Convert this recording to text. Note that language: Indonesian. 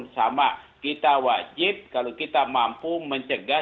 sama kita wajib kalau kita mampu mencegah